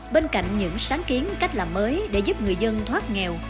bên cạnh những sáng kiến cách làm mới để giúp người dân thoát nghèo